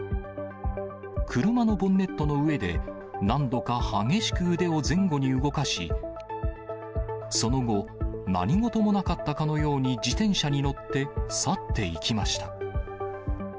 車のボンネットの上で、何度か激しく腕を前後に動かし、その後、何事もなかったかのように自転車に乗って去っていきました。